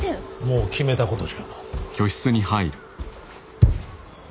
もう決めたことじゃ。